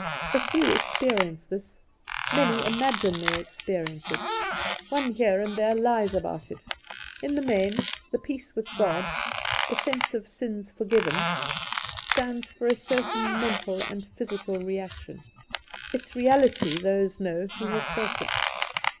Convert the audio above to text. A few experience this; many imagine they experience it, one here and there lies about it. In the main, "The peace with God; a sense of sins forgiven," stands for a certain mental and physical reaction. Its reality those know who have felt it.